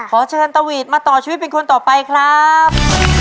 ขอเชิญตะหวีดมาต่อชีวิตเป็นคนต่อไปครับ